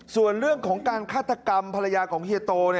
ส่วนเรื่องของการฆาตกรรมภรรยาของเฮียโต